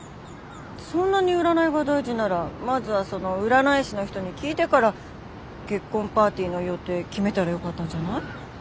そんなに占いが大事ならまずはその占い師の人に聞いてから結婚パーティーの予定決めたらよかったんじゃない？